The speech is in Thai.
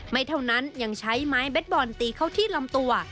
ไม่เท่านั้นยังใช้ไม้เบสบอลตีเข้าที่ลำตัว